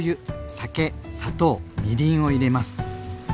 酒砂糖みりんを入れます。